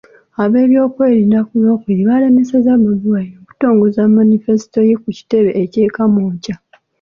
Ab'ebyokwerinda ku Lwokubiri baalemesezza Bobi Wine okutongoza manifesito ye ku kitebe kye e Kamwokya.